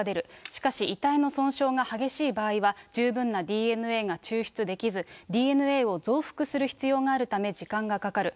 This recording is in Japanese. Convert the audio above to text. しかし、遺体の損傷が激しい場合は、十分なＤＮＡが抽出できず、ＤＮＡを増幅する必要があるため時間がかかる。